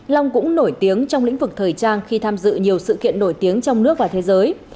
long cũng nổi tiếng trong lĩnh vực thời trang khi tham dự nhiều sự kiện nổi tiếng trong nước và thế giới